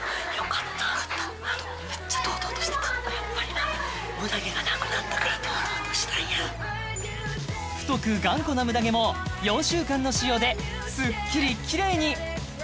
やっぱりなムダ毛がなくなったから堂々としたんや太く頑固なムダ毛も４週間の使用でスッキリキレイに！